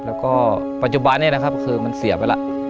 แล้วก็ปัจจุบันนี้นะครับคือมันเสียไปแล้ว